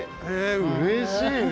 うれしいね。